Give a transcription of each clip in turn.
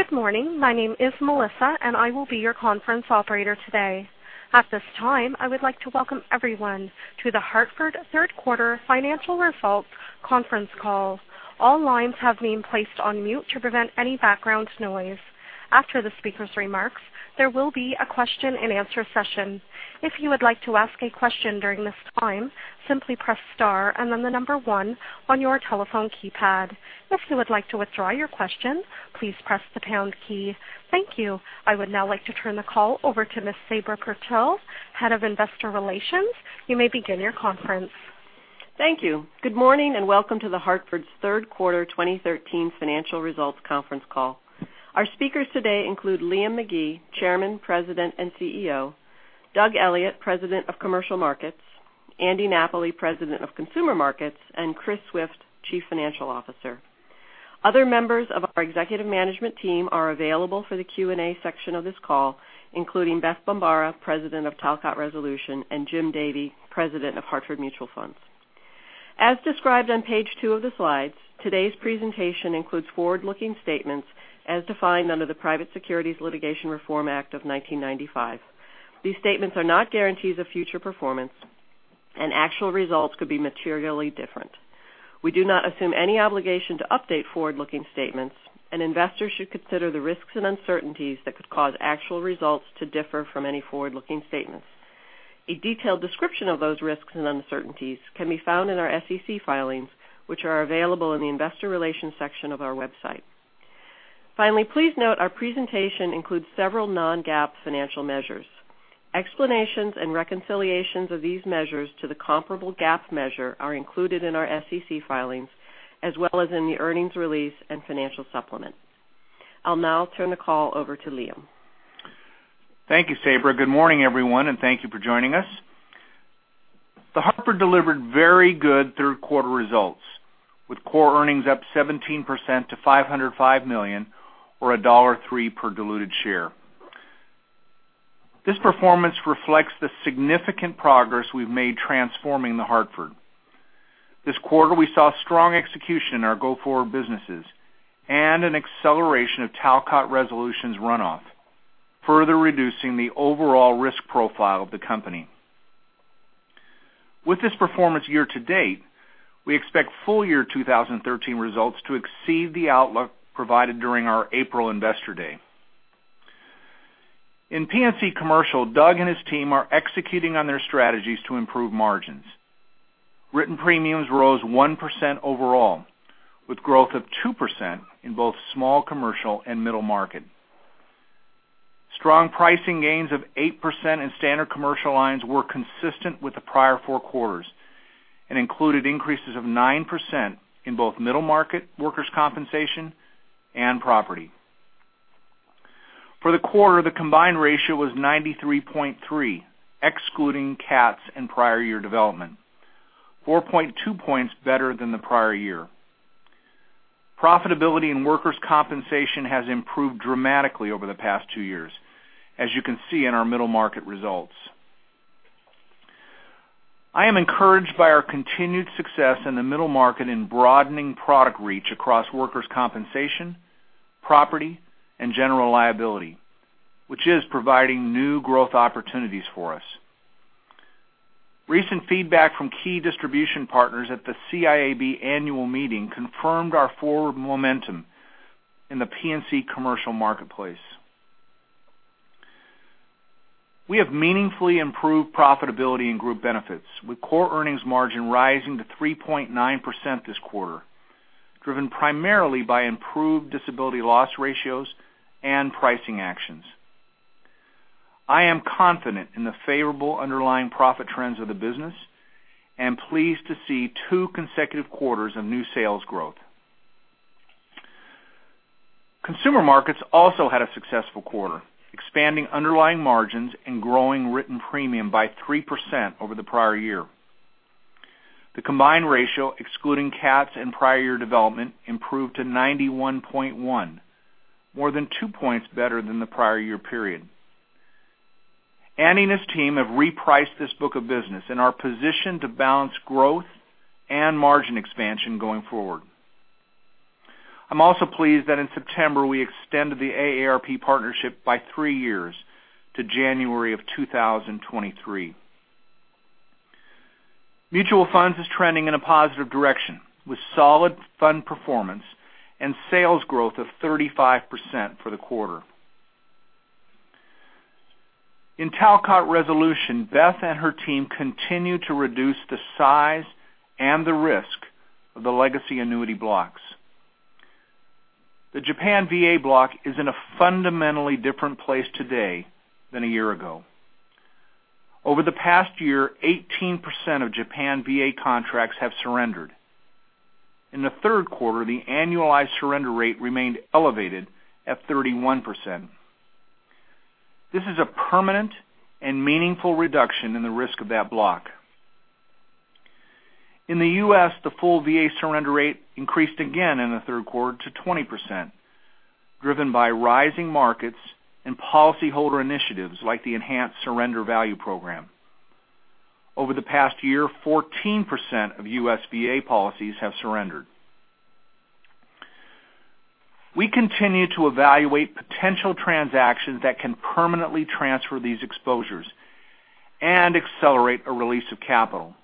Good morning. My name is Melissa, and I will be your conference operator today. At this time, I would like to welcome everyone to The Hartford third quarter financial results conference call. All lines have been placed on mute to prevent any background noise. After the speaker's remarks, there will be a question and answer session. If you would like to ask a question during this time, simply press star and then the number one on your telephone keypad. If you would like to withdraw your question, please press the pound key. Thank you. I would now like to turn the call over to Ms. Sabra Purtill, Head of Investor Relations. You may begin your conference. Thank you. Good morning and welcome to The Hartford's third quarter 2013 financial results conference call. Our speakers today include Liam McGee, Chairman, President, and CEO; Doug Elliot, President of Commercial Markets; Andy Napoli, President of Consumer Markets; and Chris Swift, Chief Financial Officer. Other members of our executive management team are available for the Q&A section of this call, including Beth Bombara, President of Talcott Resolution, and Jim Davey, President of Hartford Mutual Funds. As described on page two of the slides, today's presentation includes forward-looking statements as defined under the Private Securities Litigation Reform Act of 1995. These statements are not guarantees of future performance, and actual results could be materially different. We do not assume any obligation to update forward-looking statements, and investors should consider the risks and uncertainties that could cause actual results to differ from any forward-looking statements. A detailed description of those risks and uncertainties can be found in our SEC filings, which are available in the investor relations section of our website. Finally, please note our presentation includes several non-GAAP financial measures. Explanations and reconciliations of these measures to the comparable GAAP measure are included in our SEC filings as well as in the earnings release and financial supplement. I'll now turn the call over to Liam. Thank you, Sabra. Good morning, everyone, and thank you for joining us. The Hartford delivered very good third quarter results, with core earnings up 17% to $505 million or $1.03 per diluted share. This performance reflects the significant progress we've made transforming The Hartford. This quarter, we saw strong execution in our go-forward businesses and an acceleration of Talcott Resolution's runoff, further reducing the overall risk profile of the company. With this performance year to date, we expect full year 2013 results to exceed the outlook provided during our April investor day. In P&C Commercial, Doug and his team are executing on their strategies to improve margins. Written premiums rose 1% overall, with growth of 2% in both Small Commercial and Middle Market. Strong pricing gains of 8% in standard commercial lines were consistent with the prior four quarters and included increases of 9% in both Middle Market workers' compensation and property. For the quarter, the combined ratio was 93.3, excluding CATs and prior year development, 4.2 points better than the prior year. Profitability in workers' compensation has improved dramatically over the past two years, as you can see in our Middle Market results. I am encouraged by our continued success in the Middle Market in broadening product reach across workers' compensation, property, and general liability, which is providing new growth opportunities for us. Recent feedback from key distribution partners at The Council of Insurance Agents & Brokers annual meeting confirmed our forward momentum in the P&C Commercial marketplace. We have meaningfully improved profitability in Group Benefits, with core earnings margin rising to 3.9% this quarter, driven primarily by improved disability loss ratios and pricing actions. I am confident in the favorable underlying profit trends of the business and pleased to see two consecutive quarters of new sales growth. Consumer Markets also had a successful quarter, expanding underlying margins and growing written premium by 3% over the prior year. The combined ratio, excluding CATs and prior year development, improved to 91.1, more than two points better than the prior year period. Andy and his team have repriced this book of business and are positioned to balance growth and margin expansion going forward. I'm also pleased that in September, we extended the AARP partnership by three years to January of 2023. Mutual Funds is trending in a positive direction, with solid fund performance and sales growth of 35% for the quarter. In Talcott Resolution, Beth and her team continue to reduce the size and the risk of the legacy annuity blocks. The Japan VA block is in a fundamentally different place today than a year ago. Over the past year, 18% of Japan VA contracts have surrendered. In the third quarter, the annualized surrender rate remained elevated at 31%. This is a permanent and meaningful reduction in the risk of that block. In the U.S., the full VA surrender rate increased again in the third quarter to 20%, driven by rising markets and policyholder initiatives like the enhanced surrender value program. Over the past year, 14% of U.S. VA policies have surrendered. We continue to evaluate potential transactions that can permanently transfer these exposures and accelerate a release of capital.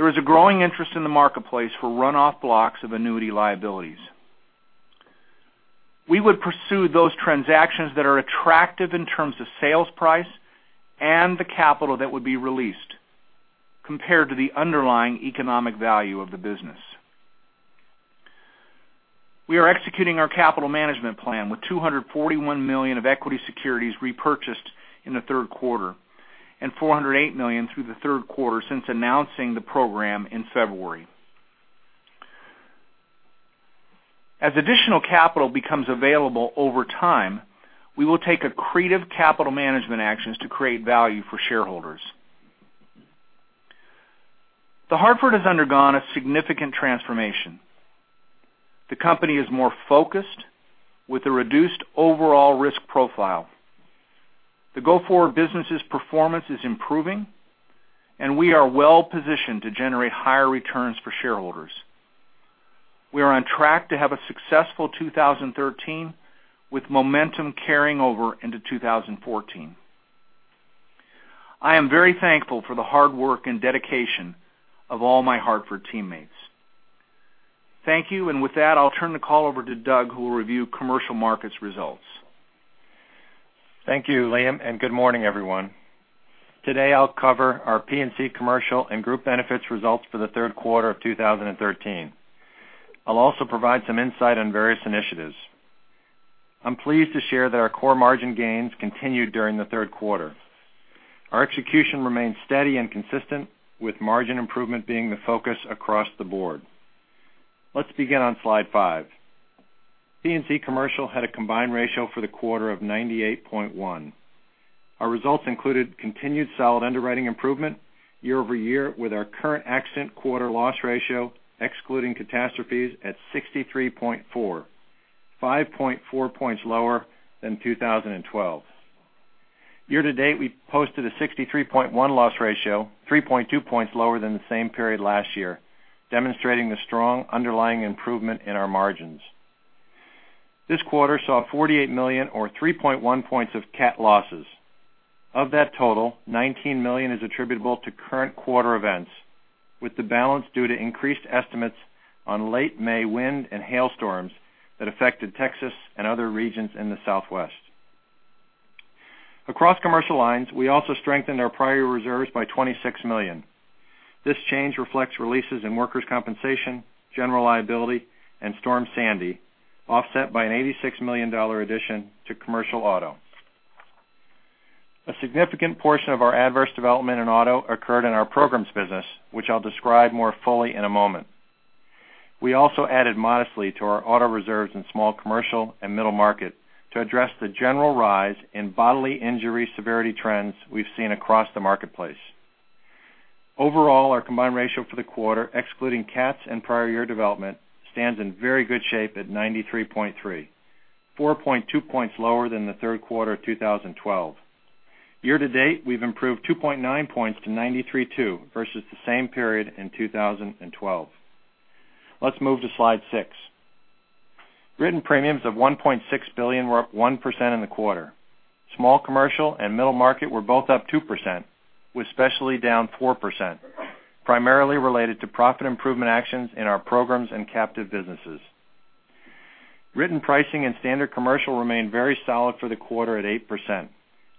There is a growing interest in the marketplace for runoff blocks of annuity liabilities. We would pursue those transactions that are attractive in terms of sales price and the capital that would be released compared to the underlying economic value of the business. We are executing our capital management plan with $241 million of equity securities repurchased in the third quarter, and $408 million through the third quarter since announcing the program in February. As additional capital becomes available over time, we will take accretive capital management actions to create value for shareholders. The Hartford has undergone a significant transformation. The company is more focused with a reduced overall risk profile. The go-forward business's performance is improving, and we are well-positioned to generate higher returns for shareholders. We are on track to have a successful 2013 with momentum carrying over into 2014. I am very thankful for the hard work and dedication of all my Hartford teammates. Thank you. With that, I'll turn the call over to Doug, who will review Commercial Markets results. Thank you, Liam. Good morning, everyone. Today, I'll cover our P&C Commercial and group benefits results for the third quarter of 2013. I'll also provide some insight on various initiatives. I'm pleased to share that our core margin gains continued during the third quarter. Our execution remains steady and consistent with margin improvement being the focus across the board. Let's begin on slide five. P&C Commercial had a combined ratio for the quarter of 98.1. Our results included continued solid underwriting improvement year-over-year with our current accident quarter loss ratio, excluding catastrophes at 63.4, 5.4 points lower than 2012. Year-to-date, we posted a 63.1 loss ratio, 3.2 points lower than the same period last year, demonstrating the strong underlying improvement in our margins. This quarter saw $48 million or 3.1 points of cat losses. Of that total, $19 million is attributable to current quarter events, with the balance due to increased estimates on late May wind and hailstorms that affected Texas and other regions in the Southwest. Across commercial lines, we also strengthened our prior reserves by $26 million. This change reflects releases in workers' compensation, general liability, and Storm Sandy, offset by an $86 million addition to Commercial Auto. A significant portion of our adverse development in auto occurred in our programs business, which I'll describe more fully in a moment. We also added modestly to our auto reserves in Small Commercial and Middle Market to address the general rise in Bodily Injury severity trends we've seen across the marketplace. Overall, our combined ratio for the quarter, excluding cats and prior year development, stands in very good shape at 93.3, 4.2 points lower than the third quarter of 2012. Year-to-date, we've improved 2.9 points to 93.2 versus the same period in 2012. Let's move to slide six. Written premiums of $1.6 billion were up 1% in the quarter. Small Commercial and Middle Market were both up 2%, with Specialty down 4%, primarily related to profit improvement actions in our programs and captive businesses. Written pricing and Standard Commercial remained very solid for the quarter at 8%,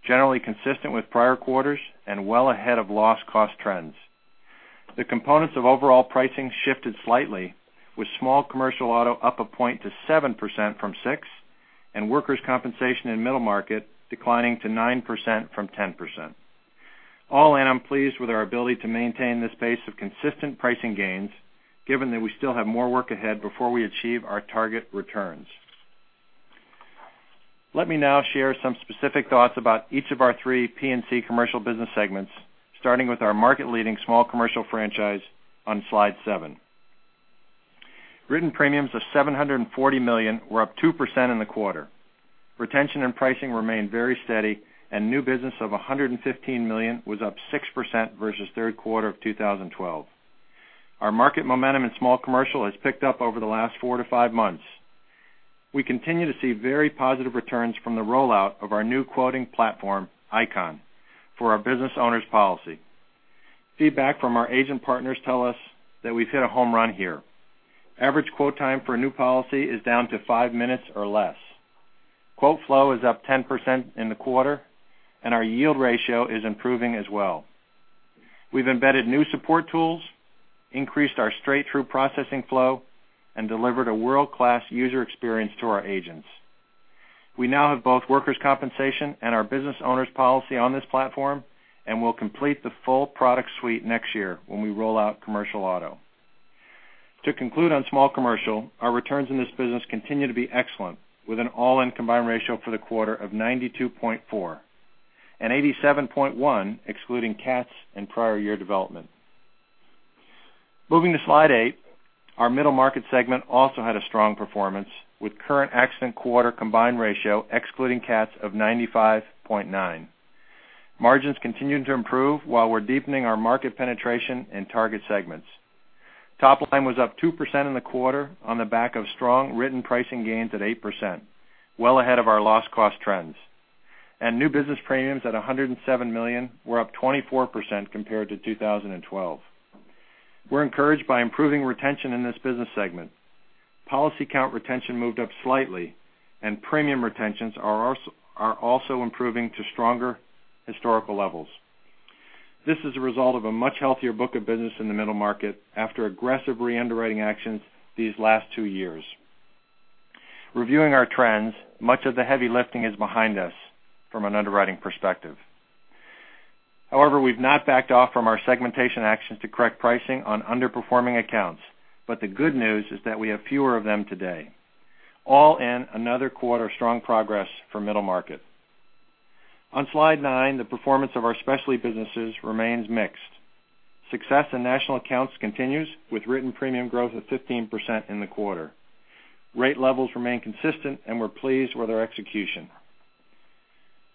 generally consistent with prior quarters and well ahead of loss cost trends. The components of overall pricing shifted slightly with Small Commercial Auto up a point to 7% from 6%, and workers' compensation in Middle Market declining to 9% from 10%. All in, I'm pleased with our ability to maintain this pace of consistent pricing gains, given that we still have more work ahead before we achieve our target returns. Let me now share some specific thoughts about each of our three P&C Commercial business segments, starting with our market-leading small commercial franchise on Slide seven. Written premiums of $740 million were up 2% in the quarter. Retention and pricing remained very steady and new business of $115 million was up 6% versus third quarter of 2012. Our market momentum in small commercial has picked up over the last four to five months. We continue to see very positive returns from the rollout of our new quoting platform, ICON, for our business owner's policy. Feedback from our agent partners tell us that we've hit a home run here. Average quote time for a new policy is down to five minutes or less. Quote flow is up 10% in the quarter, and our yield ratio is improving as well. We've embedded new support tools, increased our straight-through processing flow, and delivered a world-class user experience to our agents. We now have both workers' compensation and our business owner's policy on this platform, and we'll complete the full product suite next year when we roll out commercial auto. To conclude on small commercial, our returns in this business continue to be excellent, with an all-in combined ratio for the quarter of 92.4 and 87.1 excluding CATs and prior year development. Moving to Slide eight, our Middle Market segment also had a strong performance with current accident quarter combined ratio excluding CATs of 95.9. Margins continuing to improve while we're deepening our market penetration and target segments. Top line was up 2% in the quarter on the back of strong written pricing gains at 8%, well ahead of our loss cost trends. New business premiums at $107 million were up 24% compared to 2012. We're encouraged by improving retention in this business segment. Policy count retention moved up slightly, and premium retentions are also improving to stronger historical levels. This is a result of a much healthier book of business in the Middle Market after aggressive re-underwriting actions these last two years. Reviewing our trends, much of the heavy lifting is behind us from an underwriting perspective. However, we've not backed off from our segmentation actions to correct pricing on underperforming accounts. The good news is that we have fewer of them today. All in, another quarter of strong progress for Middle Market. On Slide nine, the performance of our specialty businesses remains mixed. Success in National Accounts continues, with written premium growth of 15% in the quarter. Rate levels remain consistent, and we're pleased with our execution.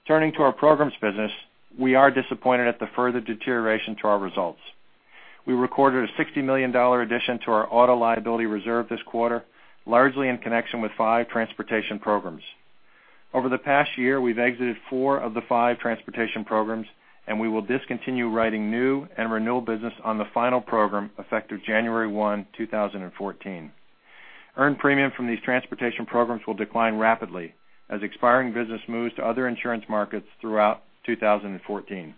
Turning to our programs business, we are disappointed at the further deterioration to our results. We recorded a $60 million addition to our auto liability reserve this quarter, largely in connection with five transportation programs. Over the past year, we've exited four of the five transportation programs, and we will discontinue writing new and renewal business on the final program effective January 1, 2014. Earned premium from these transportation programs will decline rapidly as expiring business moves to other insurance markets throughout 2014.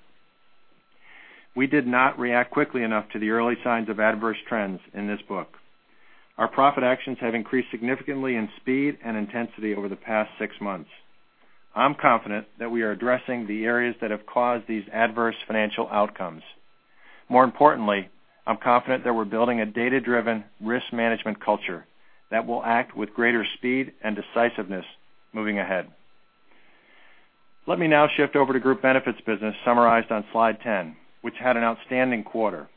We did not react quickly enough to the early signs of adverse trends in this book. Our profit actions have increased significantly in speed and intensity over the past six months. I'm confident that we are addressing the areas that have caused these adverse financial outcomes. I'm confident that we're building a data-driven risk management culture that will act with greater speed and decisiveness moving ahead. Let me now shift over to group benefits business summarized on slide 10, which had an outstanding quarter.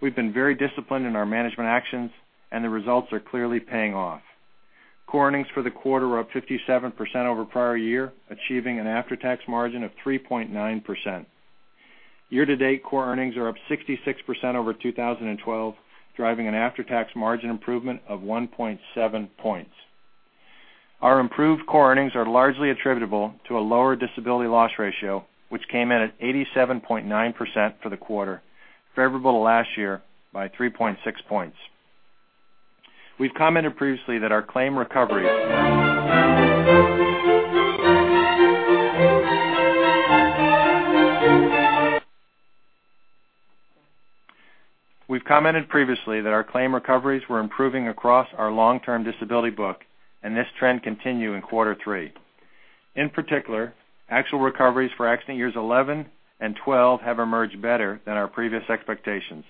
We've been very disciplined in our management actions, and the results are clearly paying off. Core earnings for the quarter were up 57% over prior year, achieving an after-tax margin of 3.9%. Year to date, core earnings are up 66% over 2012, driving an after-tax margin improvement of 1.7 points. Our improved core earnings are largely attributable to a lower disability loss ratio, which came in at 87.9% for the quarter, favorable to last year by 3.6 points. We've commented previously that our claim recoveries were improving across our long-term disability book, and this trend continued in quarter three. Actual recoveries for accident years 11 and 12 have emerged better than our previous expectations.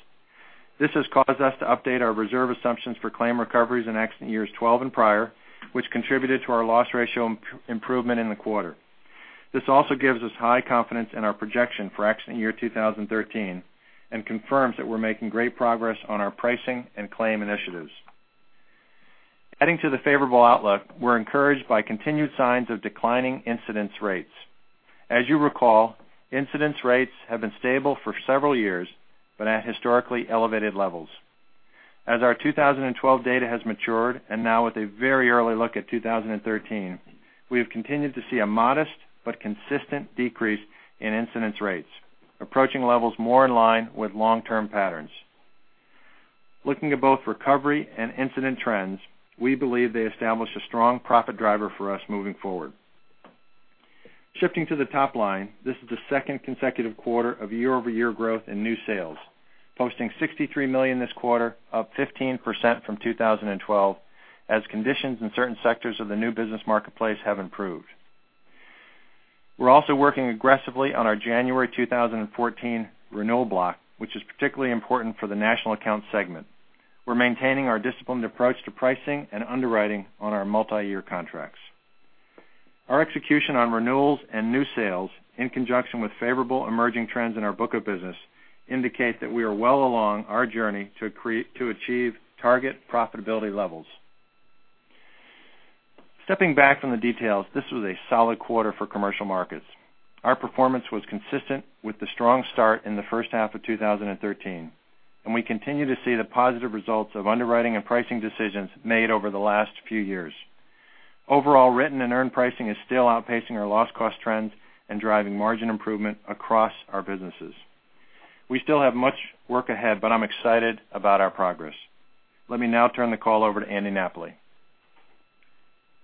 This has caused us to update our reserve assumptions for claim recoveries in accident years 12 and prior, which contributed to our loss ratio improvement in the quarter. This also gives us high confidence in our projection for accident year 2013 and confirms that we're making great progress on our pricing and claim initiatives. We're encouraged by continued signs of declining incidence rates. As you recall, incidence rates have been stable for several years, but at historically elevated levels. As our 2012 data has matured, and now with a very early look at 2013, we have continued to see a modest but consistent decrease in incidence rates, approaching levels more in line with long-term patterns. Looking at both recovery and incident trends, we believe they establish a strong profit driver for us moving forward. Shifting to the top line, this is the second consecutive quarter of year-over-year growth in new sales, posting $63 million this quarter, up 15% from 2012, as conditions in certain sectors of the new business marketplace have improved. We're also working aggressively on our January 2014 renewal block, which is particularly important for the national account segment. We're maintaining our disciplined approach to pricing and underwriting on our multiyear contracts. Our execution on renewals and new sales, in conjunction with favorable emerging trends in our book of business, indicate that we are well along our journey to achieve target profitability levels. Stepping back from the details, this was a solid quarter for Commercial Markets. Our performance was consistent with the strong start in the first half of 2013. We continue to see the positive results of underwriting and pricing decisions made over the last few years. Overall, written and earned pricing is still outpacing our loss cost trends and driving margin improvement across our businesses. We still have much work ahead, I'm excited about our progress. Let me now turn the call over to Andy Napoli.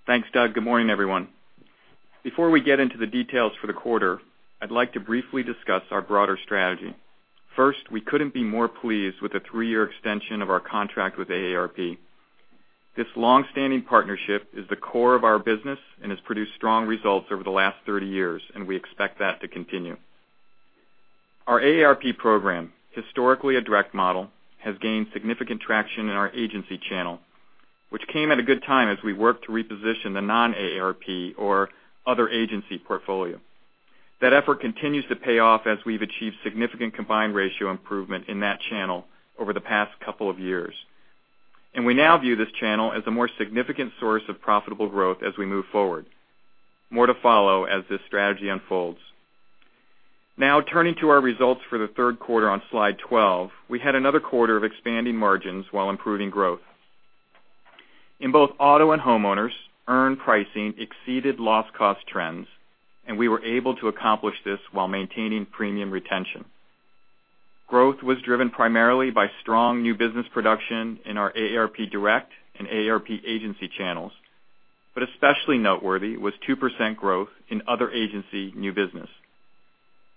Thanks, Doug. Good morning, everyone. Before we get into the details for the quarter, I'd like to briefly discuss our broader strategy. First, we couldn't be more pleased with the three-year extension of our contract with AARP. This long-standing partnership is the core of our business and has produced strong results over the last 30 years. We expect that to continue. Our AARP program, historically a direct model, has gained significant traction in our agency channel, which came at a good time as we worked to reposition the non-AARP or other agency portfolio. That effort continues to pay off as we've achieved significant combined ratio improvement in that channel over the past couple of years. We now view this channel as a more significant source of profitable growth as we move forward. More to follow as this strategy unfolds. Now turning to our results for the third quarter on slide 12, we had another quarter of expanding margins while improving growth. In both auto and Homeowners, earned pricing exceeded loss cost trends. We were able to accomplish this while maintaining premium retention. Growth was driven primarily by strong new business production in our AARP Direct and AARP Agency channels, but especially noteworthy was 2% growth in other agency new business.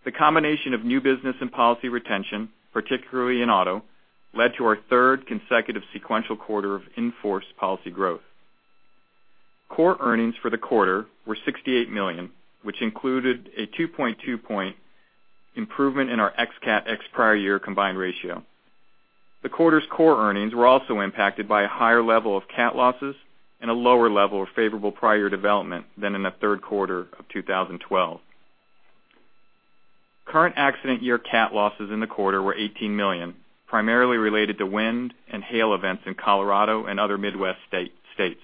The combination of new business and policy retention, particularly in auto, led to our third consecutive sequential quarter of in-force policy growth. Core earnings for the quarter were $68 million, which included a 2.2 point improvement in our ex-CAT, ex-prior year combined ratio. The quarter's core earnings were also impacted by a higher level of CAT losses and a lower level of favorable prior year development than in the third quarter of 2012. Current accident year CAT losses in the quarter were $18 million, primarily related to wind and hail events in Colorado and other Midwest states.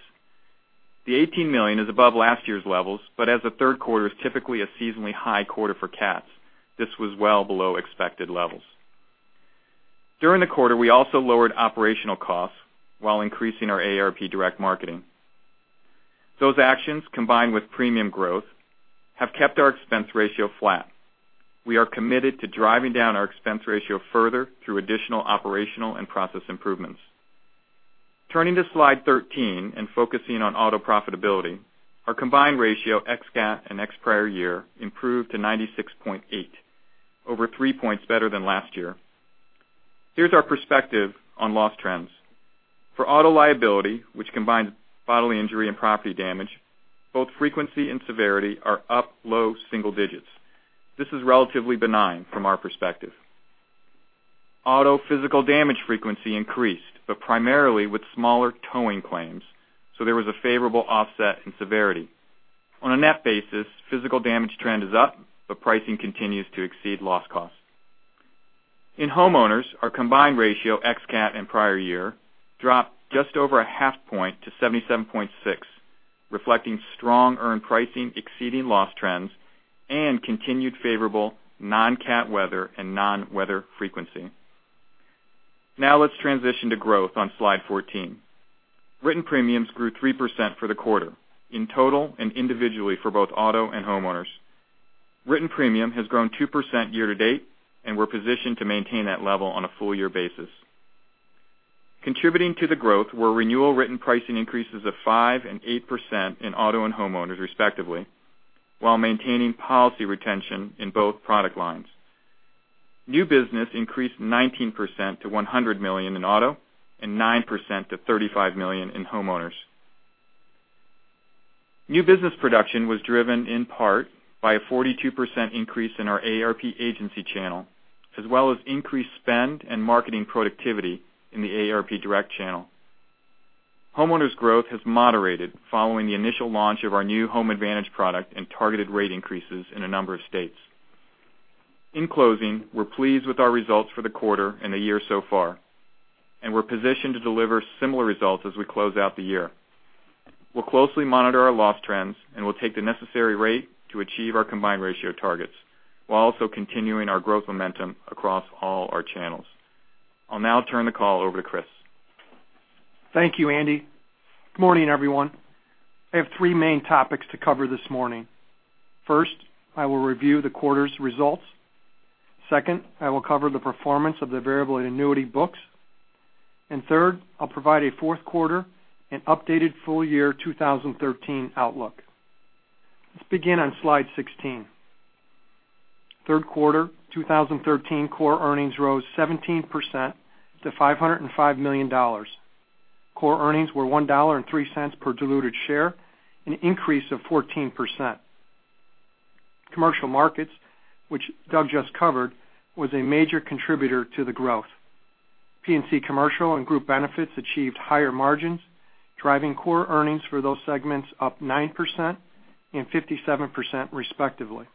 The $18 million is above last year's levels, but as the third quarter is typically a seasonally high quarter for CATs, this was well below expected levels. During the quarter, we also lowered operational costs while increasing our AARP Direct marketing. Those actions, combined with premium growth, have kept our expense ratio flat. We are committed to driving down our expense ratio further through additional operational and process improvements. Turning to slide 13 and focusing on auto profitability, our combined ratio, ex-CAT and ex-prior year, improved to 96.8, over three points better than last year. Here's our perspective on loss trends. For auto liability, which combines bodily injury and property damage, both frequency and severity are up low single digits. This is relatively benign from our perspective. Auto physical damage frequency increased, but primarily with smaller towing claims, so there was a favorable offset in severity. On a net basis, physical damage trend is up. Pricing continues to exceed loss cost. In homeowners, our combined ratio, ex-CAT and prior year, dropped just over a half point to 77.6, reflecting strong earned pricing exceeding loss trends, and continued favorable non-CAT weather and non-weather frequency. Now let's transition to growth on slide 14. Written premiums grew 3% for the quarter in total and individually for both auto and homeowners. Written premium has grown 2% year-to-date. We're positioned to maintain that level on a full year basis. Contributing to the growth were renewal written pricing increases of 5% and 8% in auto and homeowners respectively, while maintaining policy retention in both product lines. New business increased 19% to $100 million in auto and 9% to $35 million in Homeowners. New business production was driven in part by a 42% increase in our AARP Agency channel, as well as increased spend and marketing productivity in the AARP Direct channel. Homeowners' growth has moderated following the initial launch of our new Home Advantage product and targeted rate increases in a number of states. In closing, we're pleased with our results for the quarter and the year so far, and we're positioned to deliver similar results as we close out the year. We'll closely monitor our loss trends and will take the necessary rate to achieve our combined ratio targets, while also continuing our growth momentum across all our channels. I'll now turn the call over to Chris. Thank you, Andy. Good morning, everyone. I have three main topics to cover this morning. First, I will review the quarter's results. Second, I will cover the performance of the variable annuity books. Third, I'll provide a fourth quarter and updated full year 2013 outlook. Let's begin on slide 16. Third quarter 2013 core earnings rose 17% to $505 million. Core earnings were $1.03 per diluted share, an increase of 14%. Commercial Markets, which Doug just covered, was a major contributor to the growth. P&C Commercial and Group Benefits achieved higher margins, driving core earnings for those segments up 9% and 57% respectively.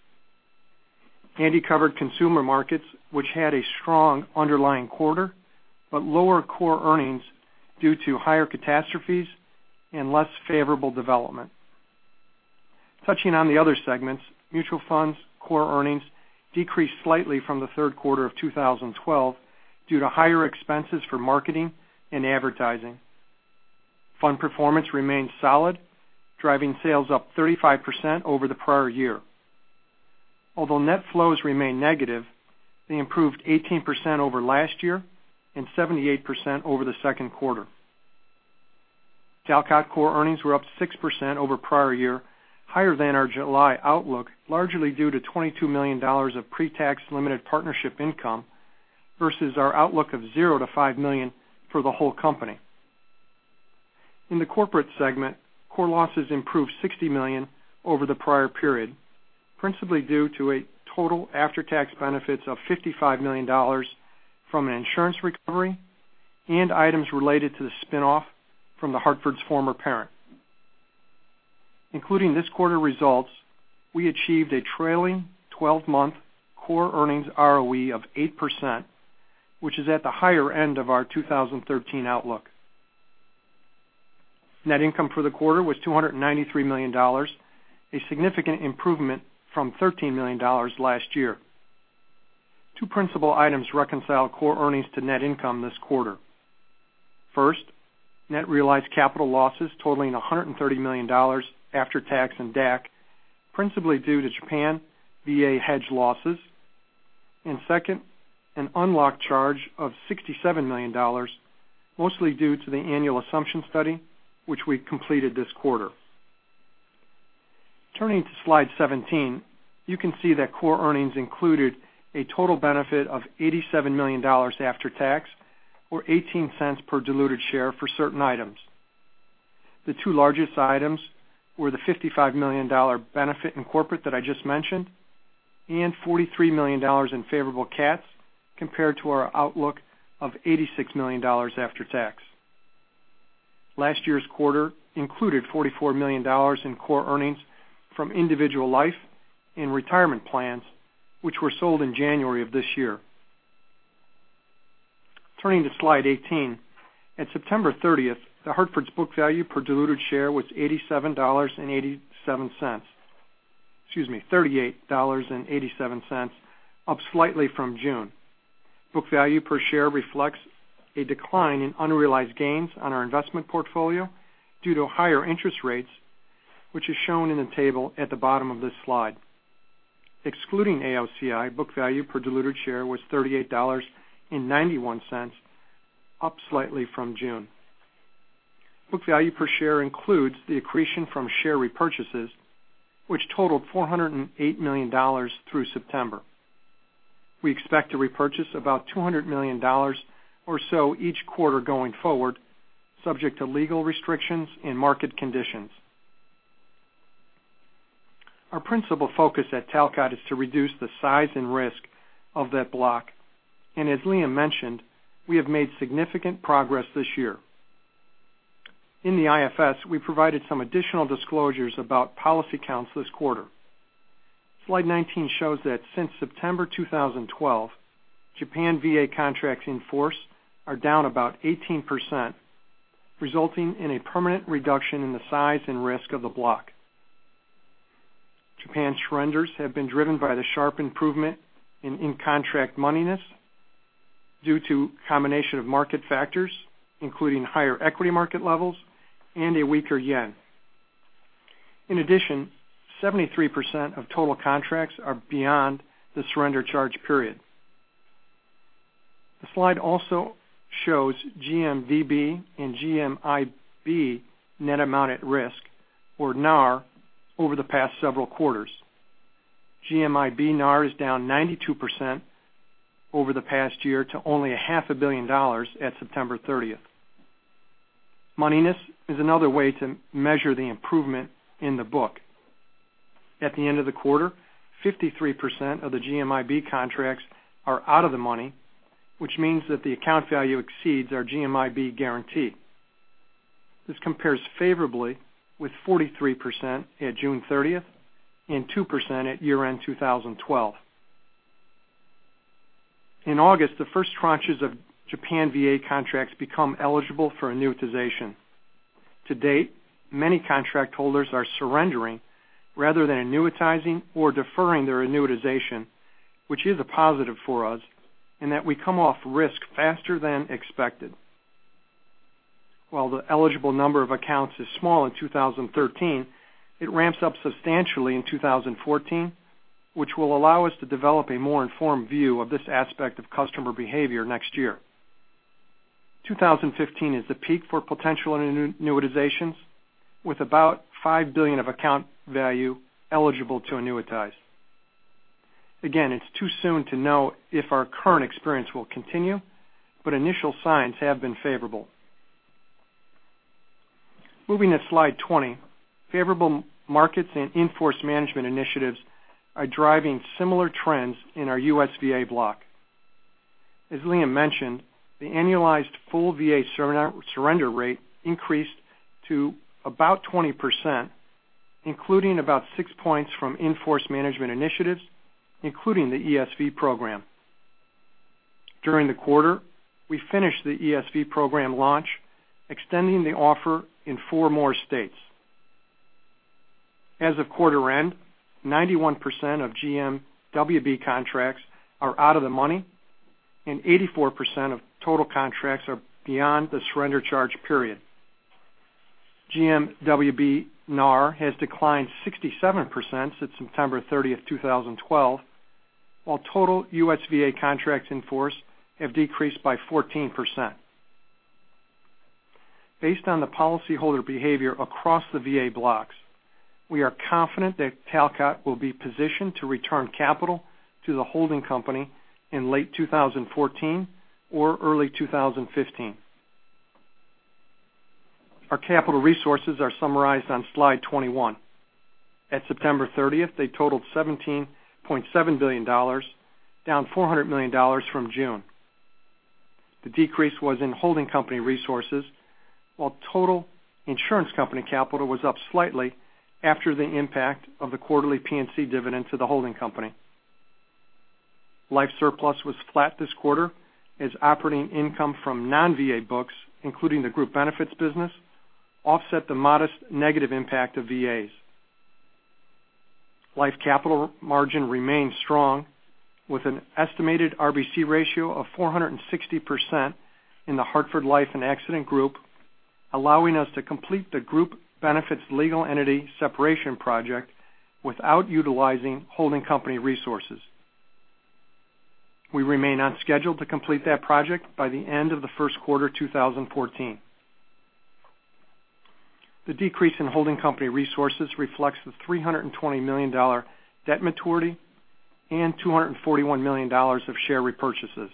Andy covered Consumer Markets, which had a strong underlying quarter, but lower core earnings due to higher catastrophes and less favorable development. Touching on the other segments, Mutual Funds core earnings decreased slightly from the third quarter of 2012 due to higher expenses for marketing and advertising. Fund performance remained solid, driving sales up 35% over the prior year. Although net flows remained negative, they improved 18% over last year and 78% over the second quarter. Talcott core earnings were up 6% over prior year, higher than our July outlook, largely due to $22 million of pre-tax limited partnership income versus our outlook of zero to $5 million for the whole company. In the Corporate Segment, core losses improved $60 million over the prior period, principally due to a total after-tax benefits of $55 million from an insurance recovery and items related to the spin-off from The Hartford's former parent. Including this quarter results, we achieved a trailing 12-month core earnings ROE of 8%, which is at the higher end of our 2013 outlook. Net income for the quarter was $293 million, a significant improvement from $13 million last year. Two principal items reconcile core earnings to net income this quarter. First, net realized capital losses totaling $130 million after tax and DAC, principally due to Japan VA hedge losses. Second, an unlock charge of $67 million, mostly due to the annual assumption study, which we completed this quarter. Turning to slide 17, you can see that core earnings included a total benefit of $87 million after tax, or $0.18 per diluted share for certain items. The two largest items were the $55 million benefit in corporate that I just mentioned, and $43 million in favorable CATs compared to our outlook of $86 million after tax. Last year's quarter included $44 million in core earnings from individual life and retirement plans, which were sold in January of this year. Turning to slide 18. At September 30th, The Hartford's book value per diluted share was $87.87. Excuse me, $38.87, up slightly from June. Book value per share reflects a decline in unrealized gains on our investment portfolio due to higher interest rates, which is shown in the table at the bottom of this slide. Excluding AOCI, book value per diluted share was $38.91, up slightly from June. Book value per share includes the accretion from share repurchases, which totaled $408 million through September. We expect to repurchase about $200 million or so each quarter going forward, subject to legal restrictions and market conditions. Our principal focus at Talcott is to reduce the size and risk of that block. As Liam mentioned, we have made significant progress this year. In the IFS, we provided some additional disclosures about policy counts this quarter. Slide 19 shows that since September 2012, Japan VA contracts in force are down about 18%, resulting in a permanent reduction in the size and risk of the block. Japan surrenders have been driven by the sharp improvement in in-contract moneyness due to a combination of market factors, including higher equity market levels and a weaker yen. In addition, 73% of total contracts are beyond the surrender charge period. The slide also shows GMVB and GMIB net amount at risk, or NAR, over the past several quarters. GMIB NAR is down 92% over the past year to only a half a billion dollars at September 30th. Moneyness is another way to measure the improvement in the book. At the end of the quarter, 53% of the GMIB contracts are out of the money, which means that the account value exceeds our GMIB guarantee. This compares favorably with 43% at June 30th and 2% at year-end 2012. In August, the first tranches of Japan VA contracts become eligible for annuitization. To date, many contract holders are surrendering rather than annuitizing or deferring their annuitization, which is a positive for us in that we come off risk faster than expected. While the eligible number of accounts is small in 2013, it ramps up substantially in 2014, which will allow us to develop a more informed view of this aspect of customer behavior next year. 2015 is the peak for potential annuitizations, with about $5 billion of account value eligible to annuitize. Again, it's too soon to know if our current experience will continue, initial signs have been favorable. Moving to slide 20. Favorable markets and in-force management initiatives are driving similar trends in our U.S. VA block. As Liam mentioned, the annualized full VA surrender rate increased to about 20%, including about six points from in-force management initiatives, including the ESV program. During the quarter, we finished the ESV program launch, extending the offer in four more states. As of quarter end, 91% of GMWB contracts are out of the money, and 84% of total contracts are beyond the surrender charge period. GMWB NAR has declined 67% since September 30th, 2012, while total U.S. VA contracts in force have decreased by 14%. Based on the policyholder behavior across the VA blocks, we are confident that Talcott will be positioned to return capital to the holding company in late 2014 or early 2015. Our capital resources are summarized on slide 21. At September 30th, they totaled $17.7 billion, down $400 million from June. The decrease was in holding company resources, while total insurance company capital was up slightly after the impact of the quarterly P&C dividend to the holding company. Life surplus was flat this quarter as operating income from non-VA books, including the group benefits business, offset the modest negative impact of VAs. Life capital margin remains strong, with an estimated RBC ratio of 460% in the Hartford Life and Accident group, allowing us to complete the group benefits legal entity separation project without utilizing holding company resources. We remain on schedule to complete that project by the end of the first quarter 2014. The decrease in holding company resources reflects the $320 million debt maturity and $241 million of share repurchases.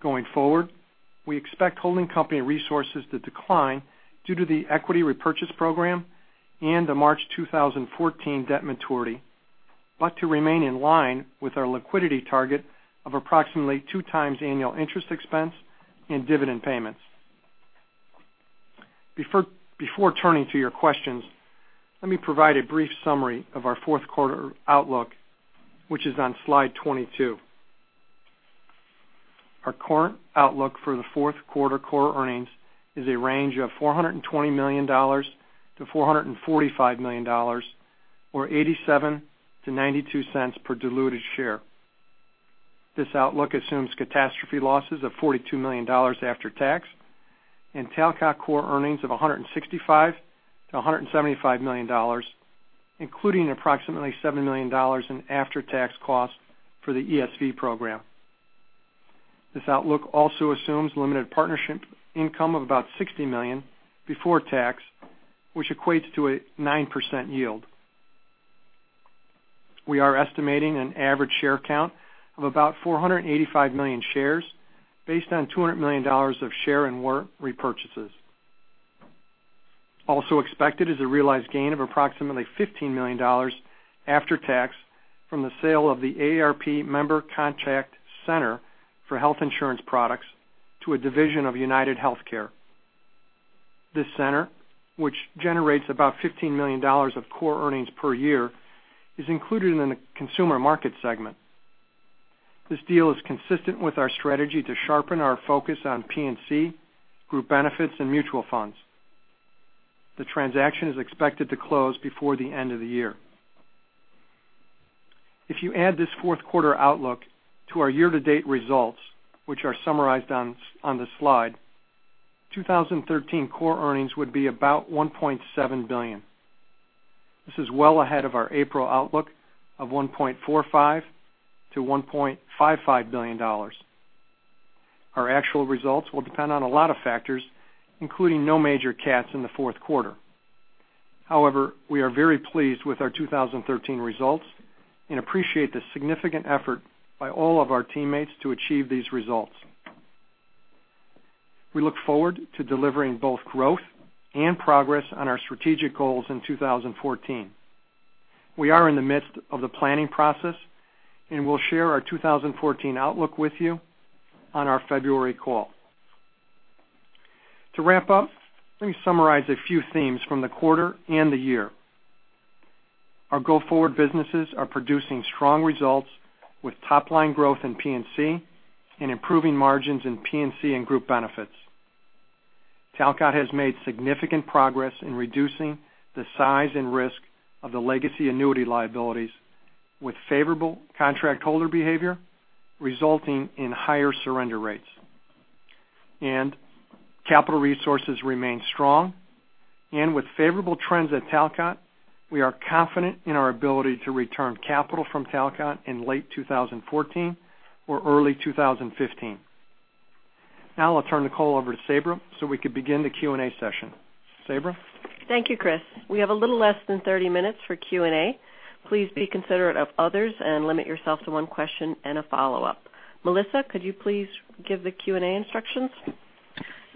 Going forward, we expect holding company resources to decline due to the equity repurchase program and the March 2014 debt maturity, but to remain in line with our liquidity target of approximately two times annual interest expense and dividend payments. Before turning to your questions, let me provide a brief summary of our fourth quarter outlook, which is on slide 22. Our current outlook for the fourth quarter core earnings is a range of $420 million-$445 million, or $0.87-$0.92 per diluted share. This outlook assumes catastrophe losses of $42 million after tax and Talcott core earnings of $165 million-$175 million, including approximately $7 million in after-tax costs for the ESV program. This outlook also assumes limited partnership income of about $60 million before tax, which equates to a 9% yield. We are estimating an average share count of about 485 million shares based on $200 million of share and warrant repurchases. Also expected is a realized gain of approximately $15 million after tax from the sale of the AARP Member Contact Center for health insurance products to a division of UnitedHealthcare. This center, which generates about $15 million of core earnings per year, is included in the consumer market segment. This deal is consistent with our strategy to sharpen our focus on P&C, group benefits, and Mutual Funds. The transaction is expected to close before the end of the year. If you add this fourth quarter outlook to our year-to-date results, which are summarized on the slide, 2013 core earnings would be about $1.7 billion. This is well ahead of our April outlook of $1.45 billion-$1.55 billion. Our actual results will depend on a lot of factors, including no major CATs in the fourth quarter. However, we are very pleased with our 2013 results and appreciate the significant effort by all of our teammates to achieve these results. We look forward to delivering both growth and progress on our strategic goals in 2014. We are in the midst of the planning process, and we'll share our 2014 outlook with you on our February call. To wrap up, let me summarize a few themes from the quarter and the year. Our go-forward businesses are producing strong results with top-line growth in P&C and improving margins in P&C and group benefits. Talcott has made significant progress in reducing the size and risk of the legacy annuity liabilities with favorable contract holder behavior resulting in higher surrender rates. Capital resources remain strong, and with favorable trends at Talcott, we are confident in our ability to return capital from Talcott in late 2014 or early 2015. I'll turn the call over to Sabra so we can begin the Q&A session. Sabra? Thank you, Chris. We have a little less than 30 minutes for Q&A. Please be considerate of others and limit yourself to one question and a follow-up. Melissa, could you please give the Q&A instructions?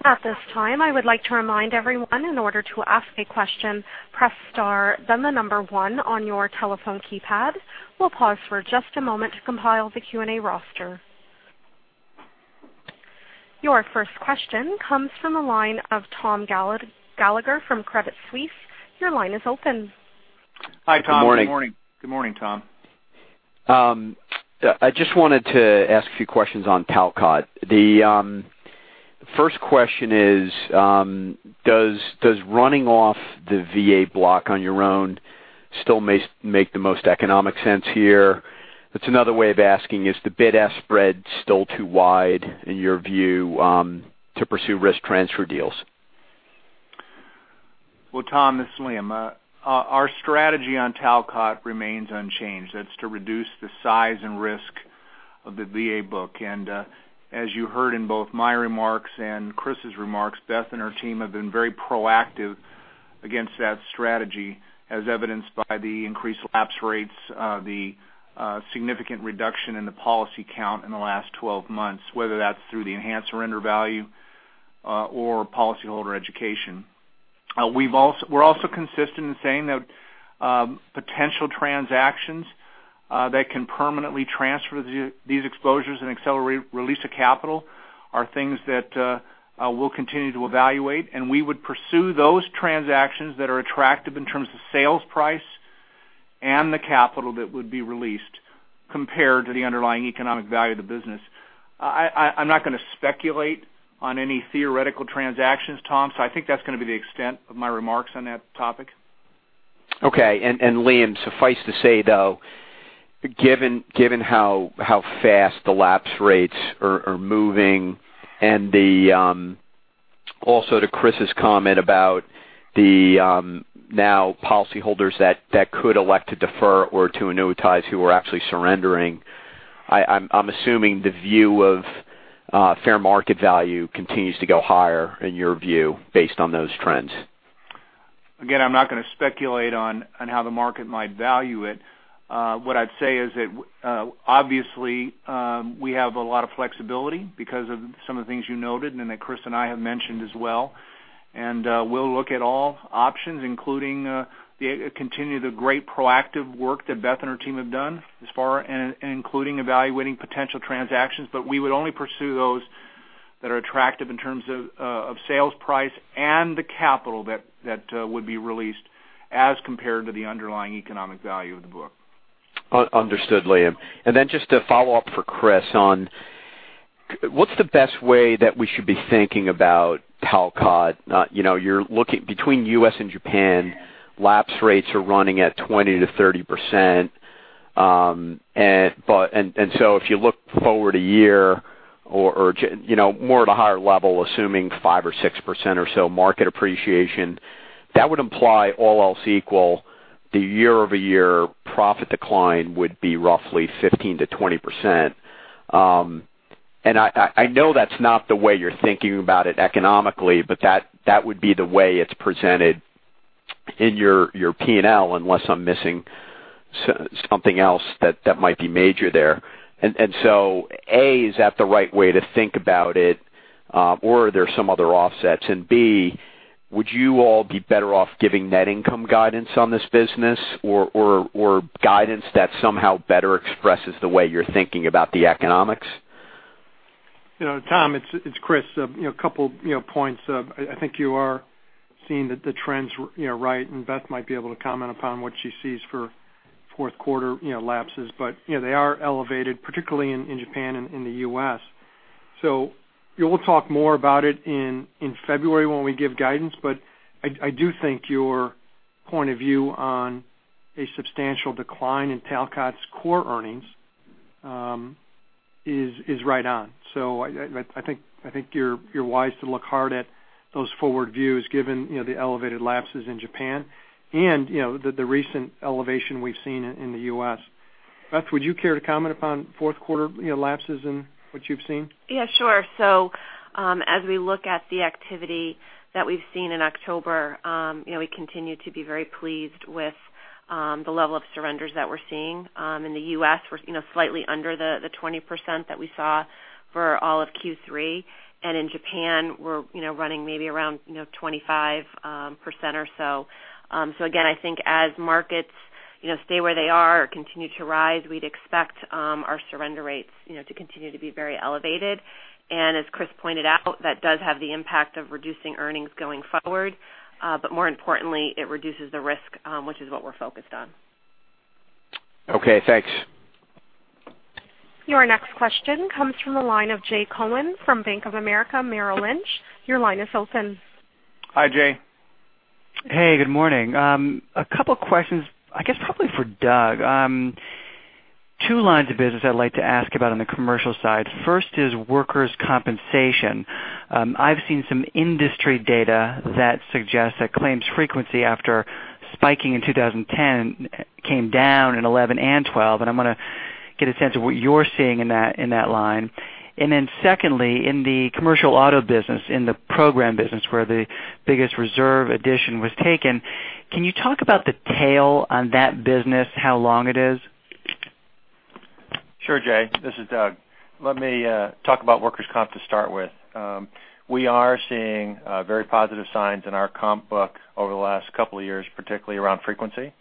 At this time, I would like to remind everyone, in order to ask a question, press star, then the number one on your telephone keypad. We'll pause for just a moment to compile the Q&A roster. Your first question comes from the line of Tom Gallagher from Credit Suisse. Your line is open. Hi, Tom. Good morning. Good morning, Tom. I just wanted to ask a few questions on Talcott. The first question is, does running off the VA block on your own still make the most economic sense here? That's another way of asking, is the bid-ask spread still too wide in your view to pursue risk transfer deals? Well, Tom, this is Liam. Our strategy on Talcott remains unchanged. That's to reduce the size and risk of the VA book. As you heard in both my remarks and Chris's remarks, Beth and her team have been very proactive Against that strategy, as evidenced by the increased lapse rates, the significant reduction in the policy count in the last 12 months, whether that's through the enhanced surrender value or policyholder education. We're also consistent in saying that potential transactions that can permanently transfer these exposures and accelerate release of capital are things that we'll continue to evaluate, and we would pursue those transactions that are attractive in terms of sales price and the capital that would be released compared to the underlying economic value of the business. I'm not going to speculate on any theoretical transactions, Tom, I think that's going to be the extent of my remarks on that topic. Okay. Liam, suffice to say, though, given how fast the lapse rates are moving and also to Chris's comment about the policyholders that could elect to defer or to annuitize who are actually surrendering, I'm assuming the view of fair market value continues to go higher in your view based on those trends. Again, I'm not going to speculate on how the market might value it. What I'd say is that obviously, we have a lot of flexibility because of some of the things you noted and that Chris and I have mentioned as well. We'll look at all options, including continue the great proactive work that Beth and her team have done thus far, and including evaluating potential transactions. We would only pursue those that are attractive in terms of sales price and the capital that would be released as compared to the underlying economic value of the book. Understood, Liam. Then just a follow-up for Chris on what's the best way that we should be thinking about Talcott? Between U.S. and Japan, lapse rates are running at 20%-30%. If you look forward one year or more at a higher level, assuming 5%-6% or so market appreciation, that would imply all else equal, the year-over-year profit decline would be roughly 15%-20%. I know that's not the way you're thinking about it economically, but that would be the way it's presented in your P&L, unless I'm missing something else that might be major there. A, is that the right way to think about it, or are there some other offsets? B, would you all be better off giving net income guidance on this business or guidance that somehow better expresses the way you're thinking about the economics? Tom, it's Chris. A couple points. I think you are seeing the trends right, and Beth might be able to comment upon what she sees for fourth quarter lapses. They are elevated, particularly in Japan and in the U.S. We'll talk more about it in February when we give guidance, but I do think your point of view on a substantial decline in Talcott's core earnings is right on. I think you're wise to look hard at those forward views given the elevated lapses in Japan and the recent elevation we've seen in the U.S. Beth, would you care to comment upon fourth quarter lapses and what you've seen? Yeah, sure. As we look at the activity that we've seen in October, we continue to be very pleased with the level of surrenders that we're seeing. In the U.S., we're slightly under the 20% that we saw for all of Q3, and in Japan, we're running maybe around 25% or so. Again, I think as markets stay where they are or continue to rise, we'd expect our surrender rates to continue to be very elevated. As Chris pointed out, that does have the impact of reducing earnings going forward. More importantly, it reduces the risk, which is what we're focused on. Okay, thanks. Your next question comes from the line of Jay Cohen from Bank of America Merrill Lynch. Your line is open. Hi, Jay. Hey, good morning. A couple questions, I guess probably for Doug. Two lines of business I'd like to ask about on the commercial side. First is workers' compensation. I've seen some industry data that suggests that claims frequency after spiking in 2010 came down in 2011 and 2012. I want to get a sense of what you're seeing in that line. Secondly, in the commercial auto business, in the program business where the biggest reserve addition was taken, can you talk about the tail on that business, how long it is? Sure, Jay. This is Doug. Let me talk about workers' comp to start with. We are seeing very positive signs in our comp book over the last couple of years, particularly around frequency.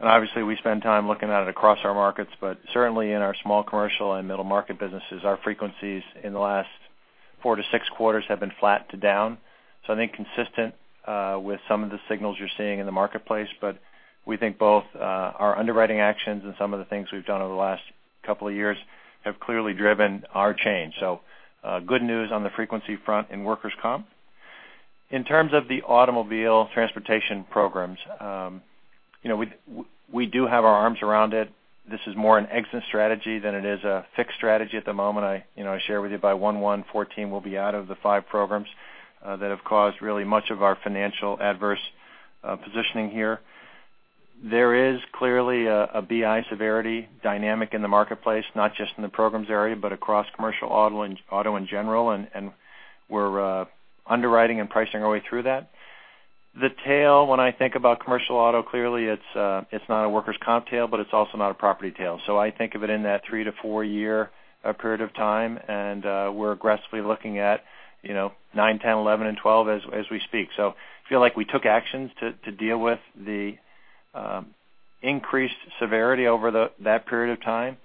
Obviously, we spend time looking at it across our markets, but certainly in our small commercial and Middle Market businesses, our frequencies in the last four to six quarters have been flat to down. I think consistent with some of the signals you're seeing in the marketplace, but we think both our underwriting actions and some of the things we've done over the last couple of years have clearly driven our change. Good news on the frequency front in workers' comp. In terms of the automobile transportation programs, we do have our arms around it. This is more an exit strategy than it is a fixed strategy at the moment. I share with you by 1/1/2014 we'll be out of the five programs that have caused really much of our financial adverse positioning here. There is clearly a BI severity dynamic in the marketplace, not just in the programs area, but across commercial auto in general, and we're underwriting and pricing our way through that. The tail, when I think about commercial auto, clearly it's not a workers' comp tail, but it's also not a property tail. I think of it in that three to four-year period of time, and we're aggressively looking at nine, 10, 11, and 12 as we speak. I feel like we took actions to deal with the increased severity over that period of time,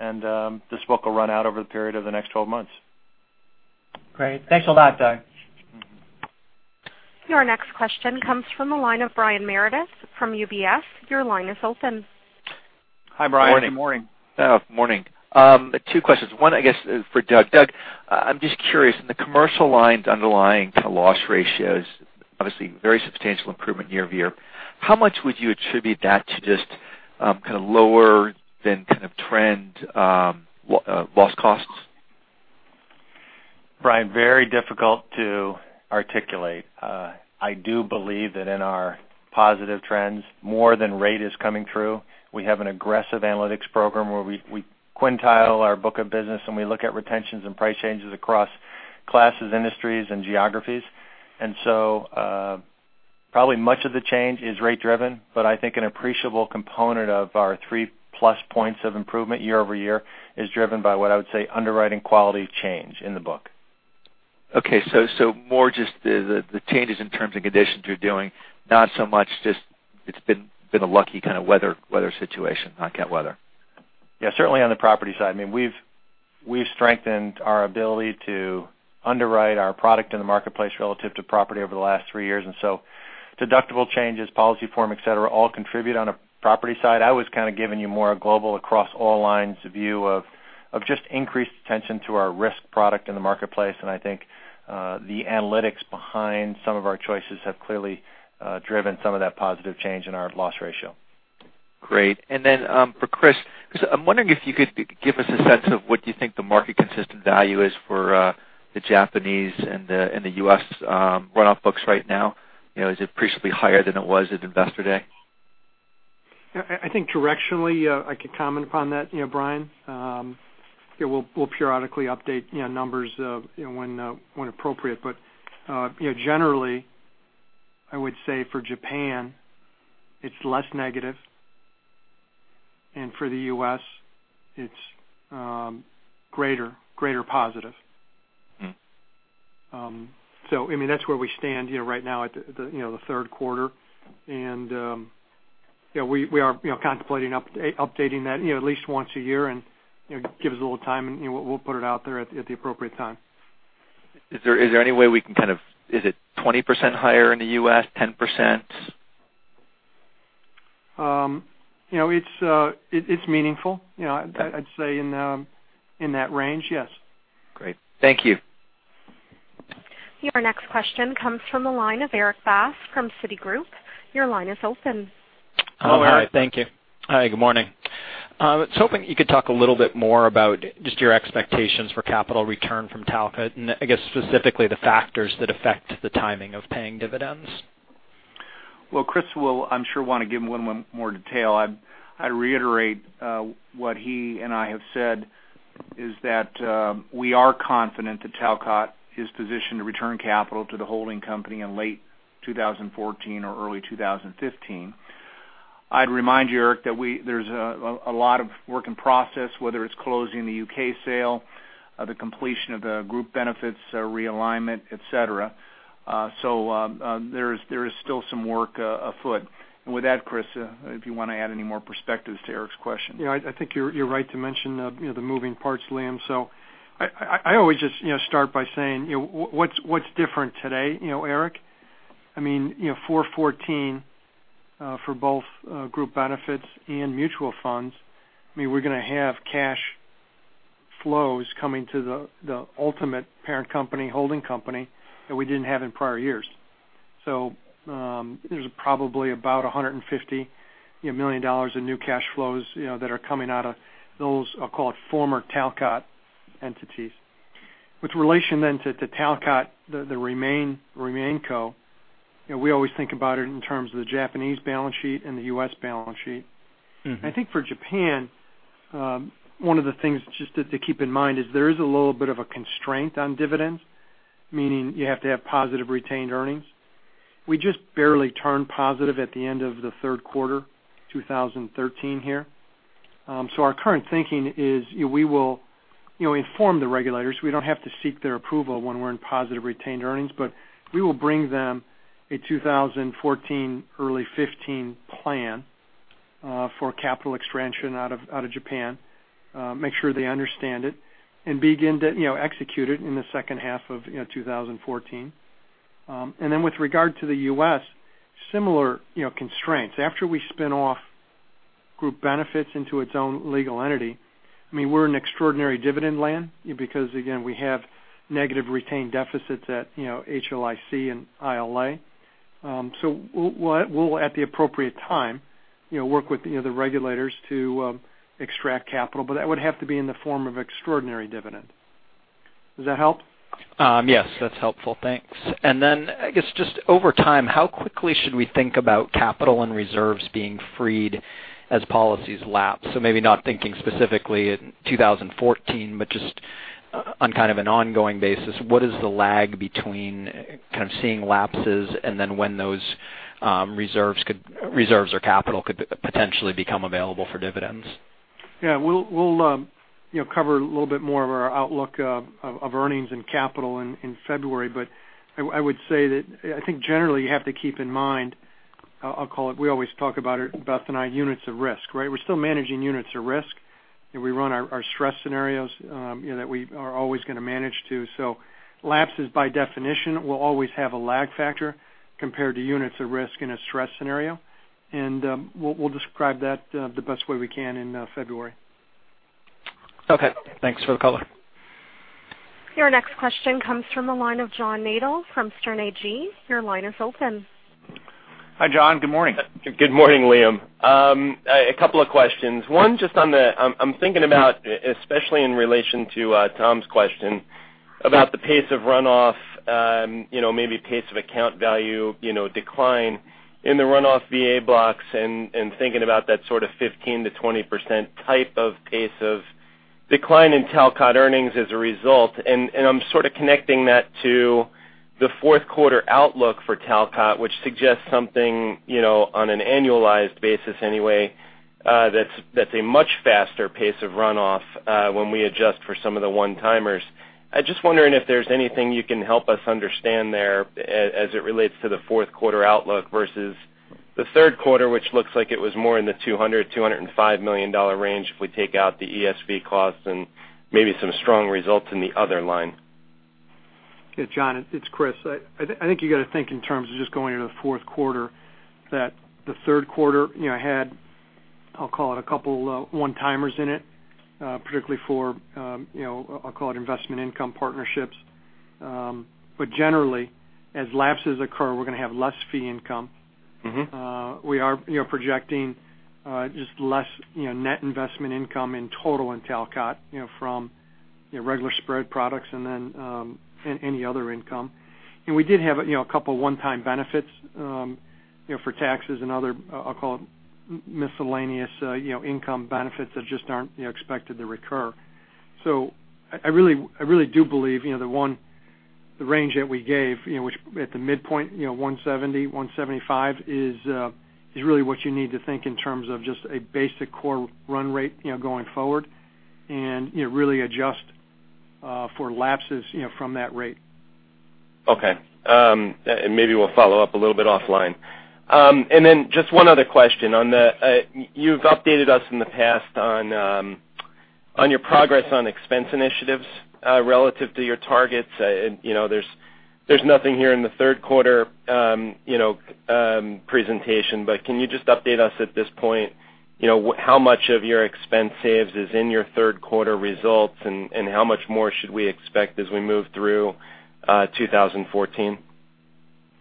and this book will run out over the period of the next 12 months. Great. Thanks a lot, Doug. Your next question comes from the line of Brian Meredith from UBS. Your line is open. Hi, Brian. Good morning. Morning. Morning. Two questions. One, I guess, for Doug. Doug, I'm just curious, in the commercial lines underlying loss ratios, obviously very substantial improvement year-over-year. How much would you attribute that to just kind of lower than kind of trend loss costs? Brian, very difficult to articulate. I do believe that in our positive trends, more than rate is coming through. We have an aggressive analytics program where we quintile our book of business, and we look at retentions and price changes across classes, industries, and geographies. Probably much of the change is rate driven, but I think an appreciable component of our three-plus points of improvement year-over-year is driven by what I would say underwriting quality change in the book. Okay. More just the changes in terms and conditions you're doing, not so much just it's been a lucky kind of weather situation, not CAT weather. Yeah, certainly on the property side. We've strengthened our ability to underwrite our product in the marketplace relative to property over the last three years. Deductible changes, policy form, et cetera, all contribute on a property side. I was kind of giving you more a global across all lines view of just increased attention to our risk product in the marketplace. I think the analytics behind some of our choices have clearly driven some of that positive change in our loss ratio. Great. Then for Chris, I'm wondering if you could give us a sense of what you think the market consistent value is for the Japanese and the U.S. runoff books right now. Is it appreciably higher than it was at Investor Day? I think directionally I could comment upon that, Brian. We'll periodically update numbers when appropriate. Generally, I would say for Japan, it's less negative, and for the U.S., it's greater positive. That's where we stand right now at the third quarter. We are contemplating updating that at least once a year and give us a little time, and we'll put it out there at the appropriate time. Is there any way we can, is it 20% higher in the U.S., 10%? It's meaningful. I'd say in that range, yes. Great. Thank you. Your next question comes from the line of Erik Bass from Citigroup. Your line is open. Hello, Erik. Hi. Thank you. Hi, good morning. I was hoping you could talk a little bit more about just your expectations for capital return from Talcott, and I guess specifically the factors that affect the timing of paying dividends. Chris will, I'm sure, want to give more detail. I reiterate what he and I have said is that we are confident that Talcott is positioned to return capital to the holding company in late 2014 or early 2015. I'd remind you, Erik, that there's a lot of work in process, whether it's closing the U.K. sale, the completion of the group benefits realignment, et cetera. There is still some work afoot. With that, Chris, if you want to add any more perspectives to Erik's question. I think you're right to mention the moving parts, Liam. I always just start by saying what's different today, Erik? 4/1/14 for both group benefits and Mutual Funds, we're going to have cash flows coming to the ultimate parent company, holding company, that we didn't have in prior years. There's probably about $150 million in new cash flows that are coming out of those I'll call it former Talcott entities. With relation to Talcott, the remain co, we always think about it in terms of the Japanese balance sheet and the U.S. balance sheet. I think for Japan, one of the things just to keep in mind is there is a little bit of a constraint on dividends, meaning you have to have positive retained earnings. We just barely turned positive at the end of the third quarter 2013 here. Our current thinking is we will inform the regulators. We don't have to seek their approval when we're in positive retained earnings, but we will bring them a 2014 early 2015 plan for capital extraction out of Japan, make sure they understand it, and begin to execute it in the second half of 2014. With regard to the U.S., similar constraints. After we spin off group benefits into its own legal entity, we're in extraordinary dividend land because, again, we have negative retained deficits at HLIC and ILA. We'll at the appropriate time work with the regulators to extract capital, but that would have to be in the form of extraordinary dividend. Does that help? Yes, that's helpful. Thanks. I guess just over time, how quickly should we think about capital and reserves being freed as policies lapse? Maybe not thinking specifically in 2014, but just on kind of an ongoing basis, what is the lag between kind of seeing lapses and then when those reserves or capital could potentially become available for dividends? Yeah. We'll cover a little bit more of our outlook of earnings and capital in February. I would say that I think generally you have to keep in mind, we always talk about it, Beth and I, units of risk, right? We're still managing units of risk, and we run our stress scenarios that we are always going to manage to. Lapses by definition will always have a lag factor compared to units of risk in a stress scenario. We'll describe that the best way we can in February. Okay. Thanks for the color. Your next question comes from the line of John Nadel from Sterne Agee. Your line is open. Hi, John. Good morning. Good morning, Liam. A couple of questions. One, I'm thinking about, especially in relation to Tom's question about the pace of runoff, maybe pace of account value decline in the runoff VA blocks and thinking about that sort of 15%-20% type of pace of decline in Talcott earnings as a result. I'm sort of connecting that to the fourth quarter outlook for Talcott, which suggests something on an annualized basis anyway, that's a much faster pace of runoff when we adjust for some of the one-timers. I'm just wondering if there's anything you can help us understand there as it relates to the fourth quarter outlook versus the third quarter, which looks like it was more in the $200, $205 million range if we take out the ESV costs and maybe some strong results in the other line. Yeah, John, it's Chris. I think you got to think in terms of just going into the fourth quarter, that the third quarter had, I'll call it a couple of one-timers in it, particularly for I'll call it investment income partnerships. Generally, as lapses occur, we're going to have less fee income. We are projecting just less net investment income in total in Talcott from regular spread products and then any other income. We did have a couple one-time benefits for taxes and other, I'll call it miscellaneous income benefits that just aren't expected to recur. I really do believe the range that we gave at the midpoint, $170-$175 is really what you need to think in terms of just a basic core run rate going forward and really adjust for lapses from that rate. Okay. Maybe we'll follow up a little bit offline. Just one other question. You've updated us in the past on your progress on expense initiatives relative to your targets. There's nothing here in the third quarter presentation, can you just update us at this point, how much of your expense saves is in your third quarter results and how much more should we expect as we move through 2014?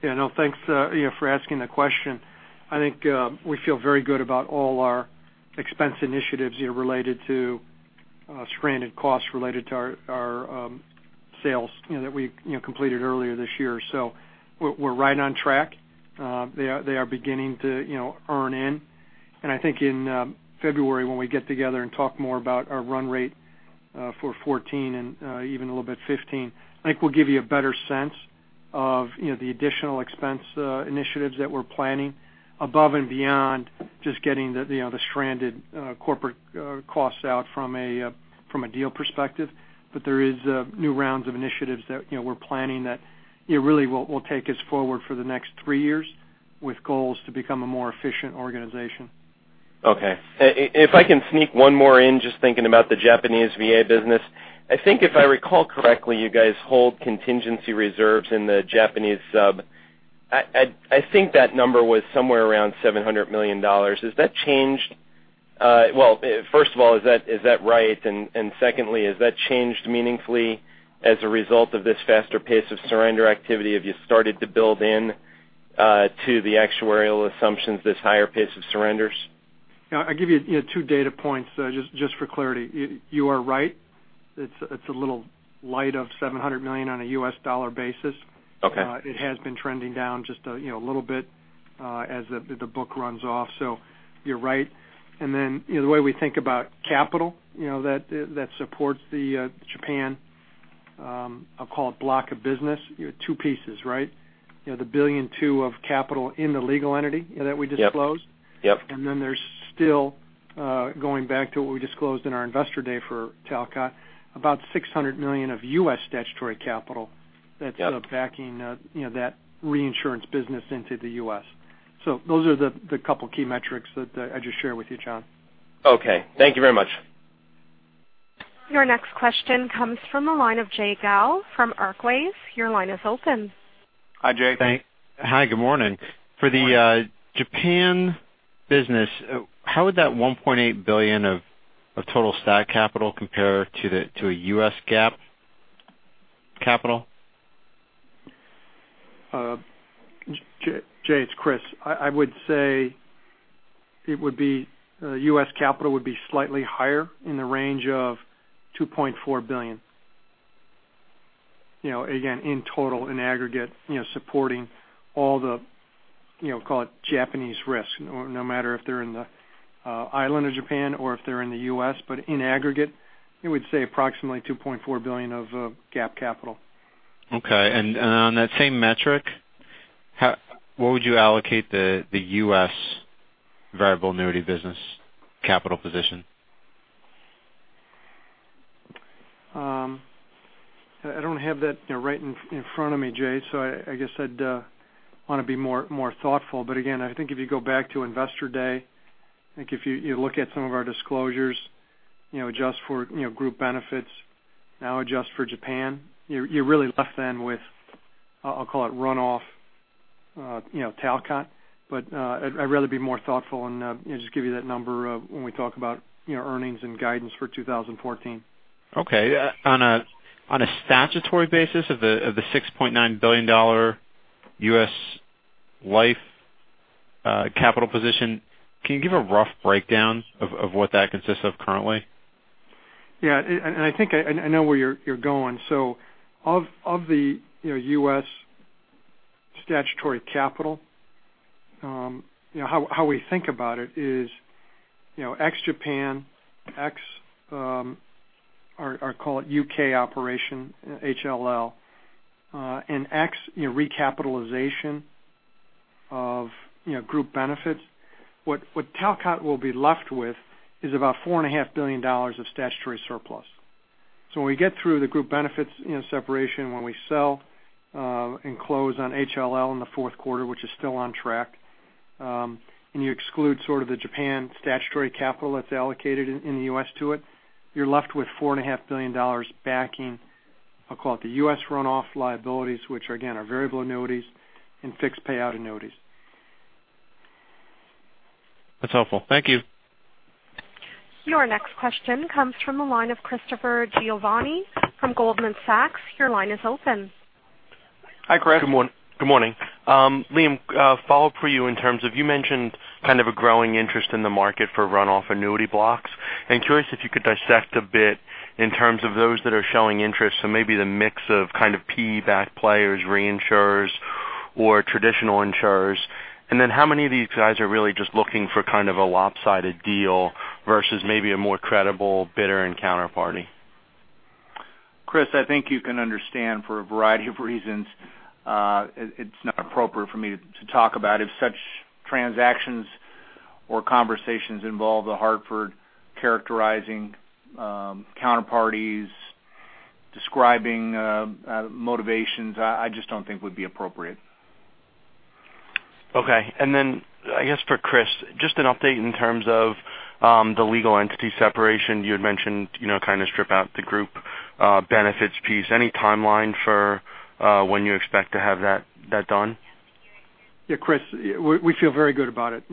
Yeah, no, thanks for asking the question. I think we feel very good about all our expense initiatives related to stranded costs related to our sales that we completed earlier this year. We're right on track. They are beginning to earn in. I think in February when we get together and talk more about our run rate for 2014 and even a little bit 2015, I think we'll give you a better sense of the additional expense initiatives that we're planning above and beyond just getting the stranded corporate costs out from a deal perspective. There is new rounds of initiatives that we're planning that really will take us forward for the next three years with goals to become a more efficient organization. Okay. If I can sneak one more in just thinking about the Japanese VA business. I think if I recall correctly, you guys hold contingency reserves in the Japanese sub. I think that number was somewhere around $700 million. Has that changed? First of all, is that right? Secondly, has that changed meaningfully as a result of this faster pace of surrender activity? Have you started to build in to the actuarial assumptions, this higher pace of surrenders? I'll give you two data points just for clarity. You are right. It's a little light of $700 million on a U.S. dollar basis. Okay. It has been trending down just a little bit as the book runs off. You're right. The way we think about capital that supports the Japan, I'll call it block of business, two pieces, right? The billion two of capital in the legal entity that we disclosed. Yep. There's still, going back to what we disclosed in our investor day for Talcott, about $600 million of U.S. statutory capital that's backing that reinsurance business into the U.S. Those are the couple key metrics that I just shared with you, John. Okay. Thank you very much. Your next question comes from the line of Jay Gelb from Barclays. Your line is open. Hi, Jay. Hi, good morning. For the Japan business, how would that $1.8 billion of total stat capital compare to a U.S. GAAP capital? Jay, it's Chris. I would say, U.S. capital would be slightly higher in the range of $2.4 billion. Again, in total, in aggregate, supporting all the, call it Japanese risk, no matter if they're in the island of Japan or if they're in the U.S. In aggregate, I would say approximately $2.4 billion of GAAP capital. Okay. On that same metric, where would you allocate the U.S. variable annuity business capital position? I don't have that right in front of me, Jay. I guess I'd want to be more thoughtful. Again, I think if you go back to Investor Day, I think if you look at some of our disclosures, adjust for group benefits, now adjust for Japan, you're really left then with, I'll call it runoff Talcott. I'd rather be more thoughtful and just give you that number when we talk about earnings and guidance for 2014. Okay. On a statutory basis of the $6.9 billion U.S. life capital position, can you give a rough breakdown of what that consists of currently? Yeah. Of the U.S. statutory capital, how we think about it is, ex-Japan, ex, or call it U.K. operation, HLL, and ex recapitalization of group benefits. What Talcott will be left with is about $4.5 billion of statutory surplus. When we get through the group benefits separation, when we sell and close on HLL in the fourth quarter, which is still on track, and you exclude sort of the Japan statutory capital that's allocated in the U.S. to it, you're left with $4.5 billion backing, I'll call it the U.S. runoff liabilities, which again, are variable annuities and fixed payout annuities. That's helpful. Thank you. Your next question comes from the line of Christopher Giovanni from Goldman Sachs. Your line is open. Hi, Chris. Good morning. Liam, a follow-up for you in terms of, you mentioned kind of a growing interest in the market for runoff annuity blocks. I am curious if you could dissect a bit in terms of those that are showing interest. Maybe the mix of kind of PE-backed players, reinsurers, or traditional insurers. How many of these guys are really just looking for kind of a lopsided deal versus maybe a more credible bidder and counterparty? Chris, I think you can understand for a variety of reasons, it is not appropriate for me to talk about if such transactions or conversations involve The Hartford characterizing counterparties, describing motivations. I just don't think would be appropriate. Okay. I guess for Chris, just an update in terms of the legal entity separation. You had mentioned kind of strip out the group benefits piece. Any timeline for when you expect to have that done? Yeah, Chris, we feel very good about it.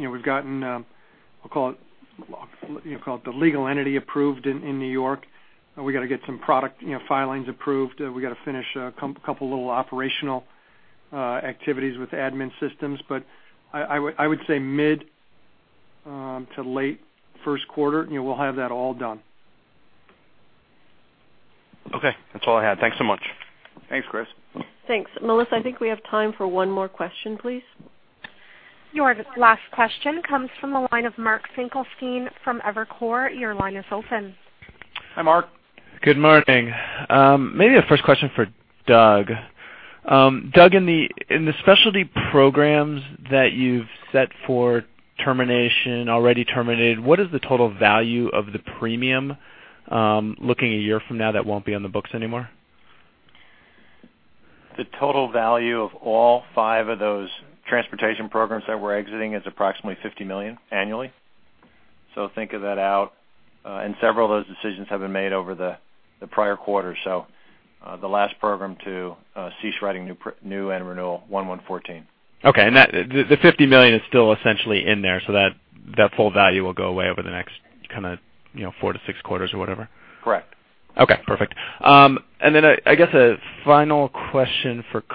Call it the legal entity approved in New York. We've got to get some product filings approved. We've got to finish a couple little operational activities with admin systems. I would say mid to late first quarter, we'll have that all done. Okay. That's all I had. Thanks so much. Thanks, Chris. Thanks. Melissa, I think we have time for one more question, please. Your last question comes from the line of Mark Finkelstein from Evercore. Your line is open. Hi, Mark. Good morning. Maybe a first question for Doug. Doug, in the specialty programs that you've set for termination, already terminated, what is the total value of the premium looking a year from now that won't be on the books anymore? The total value of all five of those transportation programs that we're exiting is approximately $50 million annually. Think of that out. Several of those decisions have been made over the prior quarter. The last program to cease writing new and renewal, 1/1/2014. Okay. The $50 million is still essentially in there, that full value will go away over the next kind of four to six quarters or whatever? Correct. Okay, perfect. I guess a final question for Chris.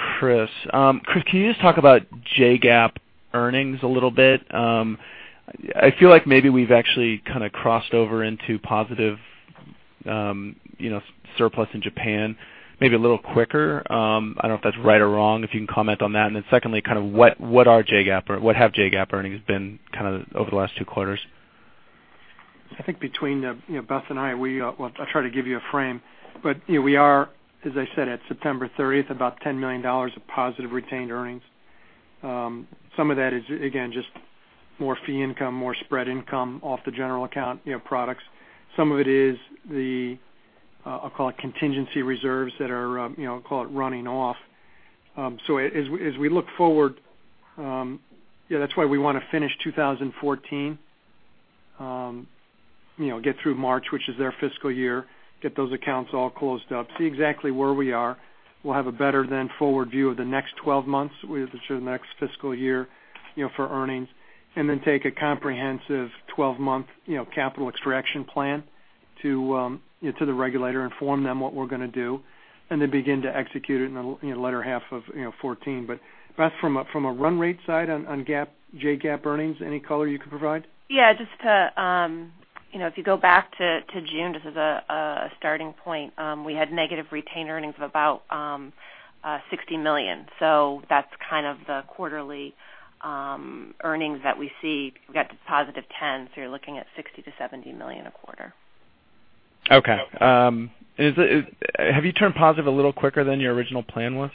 Chris, can you just talk about J-GAAP earnings a little bit? I feel like maybe we've actually kind of crossed over into positive surplus in Japan, maybe a little quicker. I don't know if that's right or wrong, if you can comment on that. Secondly, kind of what have J-GAAP earnings been kind of over the last two quarters? I think between Beth and I'll try to give you a frame. We are, as I said, at September 30th, about $10 million of positive retained earnings. Some of that is, again, just more fee income, more spread income off the general account products. Some of it is the, I'll call it contingency reserves that are, call it running off. As we look forward, that's why we want to finish 2014, get through March, which is their fiscal year, get those accounts all closed up, see exactly where we are. We'll have a better then forward view of the next 12 months, which is the next fiscal year, for earnings, and then take a comprehensive 12-month capital extraction plan to the regulator, inform them what we're going to do, and then begin to execute it in the latter half of 2014. Beth, from a run rate side on JGAAP earnings, any color you could provide? If you go back to June, this is a starting point, we had negative retained earnings of about $60 million. That's kind of the quarterly earnings that we see. We got to positive 10, you're looking at $60 million-$70 million a quarter. Have you turned positive a little quicker than your original plan was?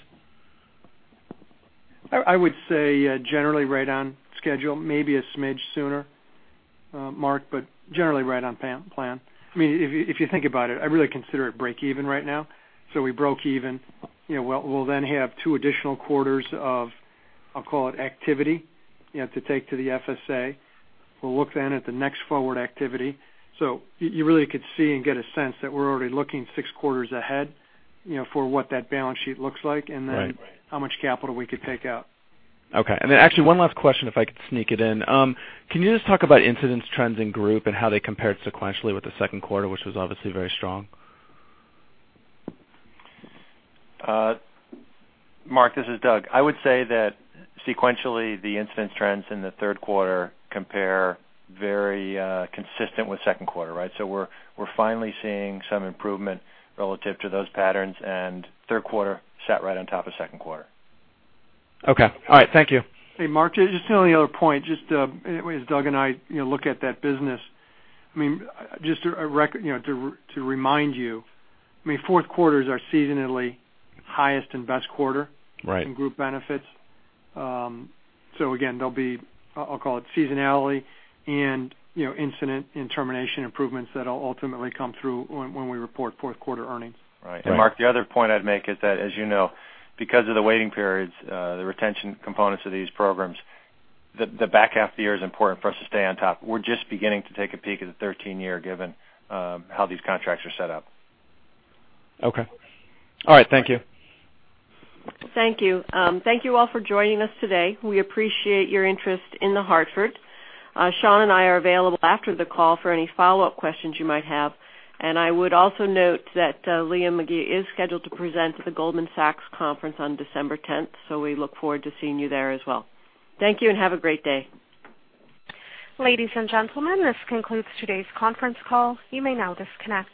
I would say, generally right on schedule. Maybe a smidge sooner, Mark, but generally right on plan. If you think about it, I really consider it break-even right now. We broke even. We'll then have two additional quarters of, I'll call it activity, to take to the FSA. We'll look at the next forward activity. You really could see and get a sense that we're already looking six quarters ahead for what that balance sheet looks like, and then how much capital we could take out. Okay. Actually one last question if I could sneak it in. Can you just talk about incidence trends in Group and how they compared sequentially with the second quarter, which was obviously very strong? Mark, this is Doug. I would say that sequentially, the incidence trends in the third quarter compare very consistent with second quarter. We're finally seeing some improvement relative to those patterns, and third quarter sat right on top of second quarter. Okay. All right. Thank you. Hey, Mark, just the only other point, just as Doug and I look at that business, just to remind you, fourth quarters are seasonally highest and best quarter in Group Benefits. Right. Again, there'll be, I'll call it seasonality and incidence and termination improvements that'll ultimately come through when we report fourth quarter earnings. Right. Mark, the other point I'd make is that, as you know, because of the waiting periods, the retention components of these programs, the back half of the year is important for us to stay on top. We're just beginning to take a peek at the 2013 year, given how these contracts are set up. Okay. All right. Thank you. Thank you. Thank you all for joining us today. We appreciate your interest in The Hartford. Sean and I are available after the call for any follow-up questions you might have. I would also note that Liam McGee is scheduled to present at the Goldman Sachs conference on December 10th. We look forward to seeing you there as well. Thank you and have a great day. Ladies and gentlemen, this concludes today's conference call. You may now disconnect.